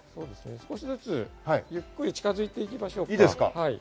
少しずつゆっくり近づいていいいですか？